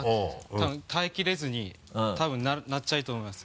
多分耐えきれずに多分鳴っちゃうと思います。